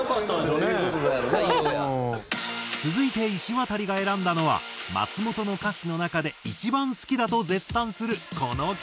続いていしわたりが選んだのは松本の歌詞の中で一番好きだと絶賛するこの曲。